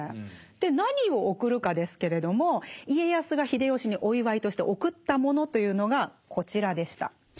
何を贈るかですけれども家康が秀吉にお祝いとして贈ったものというのがこちらでした。